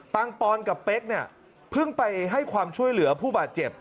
ปอนกับเป๊กเนี่ยเพิ่งไปให้ความช่วยเหลือผู้บาดเจ็บ